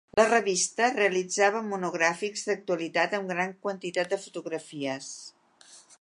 La revista realitzava monogràfics d'actualitat amb gran quantitat de fotografies.